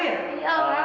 aduh berat sekali ini